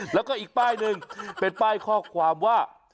แล้วก็อีกป้ายหนึ่งเป็นป้ายข้อความว่า